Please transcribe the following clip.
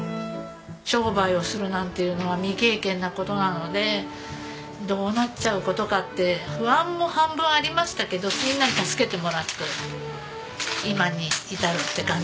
商売をするなんていうのは未経験な事なのでどうなっちゃう事かって不安も半分ありましたけどみんなに助けてもらって今に至るって感じですね。